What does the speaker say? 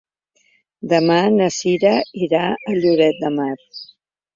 Demà na Cira irà a Lloret de Mar.